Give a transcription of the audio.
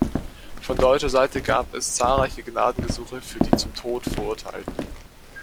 Von deutscher Seite gab es zahlreiche Gnadengesuche für die zum Tode Verurteilten.